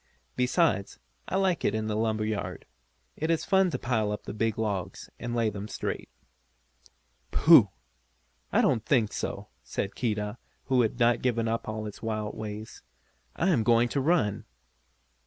Besides, I like it in the lumber yard. It is fun to pile up the big logs, and lay them straight." "Pooh! I don't think so," said Keedah, who had not given up all his wild ways. "I am going to run!"